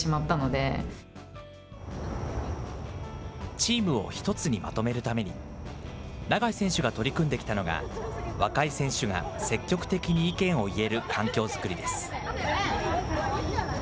チームを１つにまとめるために、永井選手が取り組んできたのが若い選手が積極的に意見を言える環境作りです。